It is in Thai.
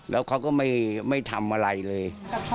แล้วเขาก็ไม่ทำอะไรเลย